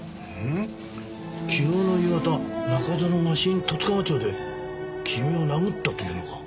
昨日の夕方中園が新十津川町で君を殴ったと言うのか？